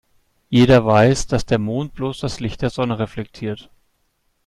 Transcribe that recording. Jeder weiß, dass der Mond bloß das Licht der Sonne reflektiert.